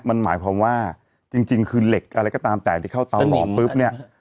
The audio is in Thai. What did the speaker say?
มันหมายความว่าจริงคือเหล็กอะไรก็ตามแต่ที่เข้าเตาหมอปุ๊บเนี่ย